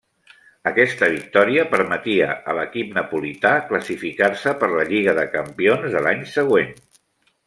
Aquesta victòria permetia a l'equip napolità classificar-se per la Lliga de Campions de l'any següent.